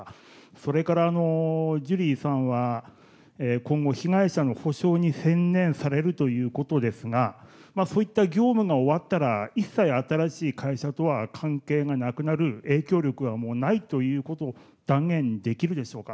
それから、ジュリーさんは今後、被害者の補償に専念されるということですが、そういった業務が終わったら、一切新しい会社とは関係がなくなる、影響力はもうないということを断言できるでしょうか。